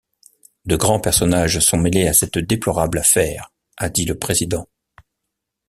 De grands personnages sont mêlés à cette déplorable affaire, a dit le président.